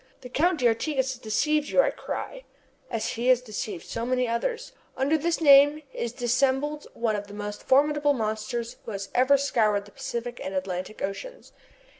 "The Count d'Artigas has deceived you," I cry, "as he has deceived so many others. Under this name is dissembled one of the most formidable monsters who ever scoured the Pacific and Atlantic oceans.